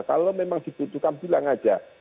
kalau memang dibutuhkan bilang aja